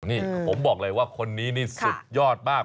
นี่ผมบอกเลยว่าคนนี้นี่สุดยอดมาก